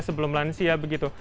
sebelum lansia begitu